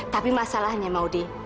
tapi masalahnya maudie